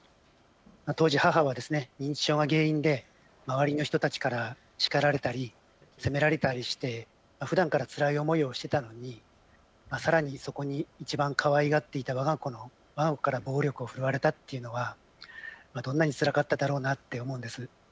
当時、母は認知症が原因で周りの人たちから叱られたり責められたりして、ふだんからつらい思いをしていたのにさらにそこにいちばんかわいがっていたわが子から暴力を振るわれたというのはどんなにつらかっただろうなと思います。